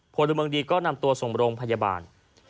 ผลบริเมิงดีก็นำตัวสงบโรงพยาบาล